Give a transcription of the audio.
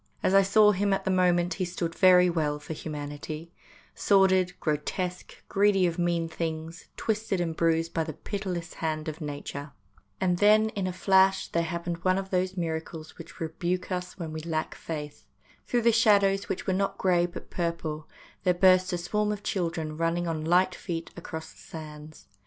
As I saw him at the moment he stood very well for humanity sordid, grotesque, greedy of mean things, twisted and bruised by the pitiless hand of Nature. And then in a flash there happened one of 86 THE DAY BEFORE YESTERDAY those miracles which rebuke us when we lack faith. Through the shadows which were not grey but purple there burst a swarm of children running on light feet across the sands.